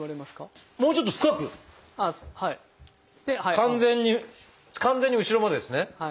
完全に完全に後ろまでですね。